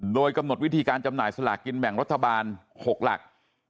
โดยกำหนดวิธีการจำหน่ายสลากกินแบ่งรัฐบาล๖หลัก